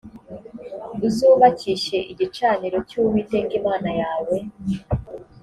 uzubakishe igicaniro cy uwiteka imana yawe